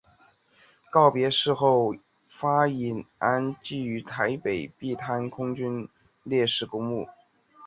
告别式后发引安厝于台北碧潭空军烈士公墓。